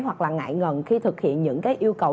hoặc là ngại ngần khi thực hiện những cái yêu cầu